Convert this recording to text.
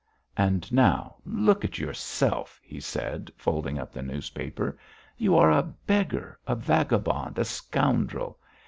"And now, look at yourself," he said, folding up the newspaper. "You are a beggar, a vagabond, a scoundrel!